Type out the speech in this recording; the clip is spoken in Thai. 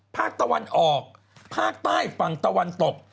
ภาคตะวันออกภาคใต้ฝั่งตะวันตก